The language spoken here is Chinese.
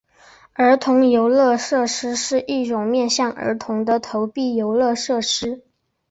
儿童游乐设施是一种面向儿童的投币游乐设施。